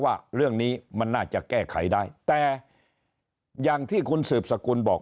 ว่าเรื่องนี้มันน่าจะแก้ไขได้แต่อย่างที่คุณสืบสกุลบอก